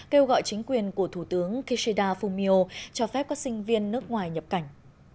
kêu gọi chính quyền của thủ tướng kishida fumio cho phép các sinh viên nước ngoài nhập cảnh